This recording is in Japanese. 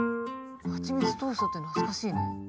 はちみつトーストって懐かしいな。